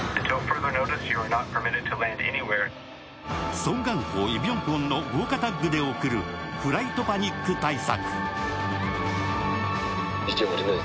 ソン・ガンホ、イ・ビョンホンの豪華タッグで送るフライトパニック大作。